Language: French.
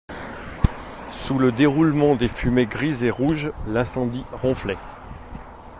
Sous le déroulement des fumées grises et rouges, l'incendie ronflait.